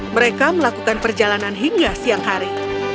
mereka melakukan perjalanan hingga siang hari